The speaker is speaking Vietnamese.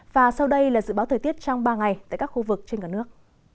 và sau đây là dự báo thời tiết trong ba ngày tại các khu vực trên cả nước